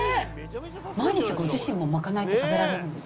毎日ご自身も賄いって食べられるんですか？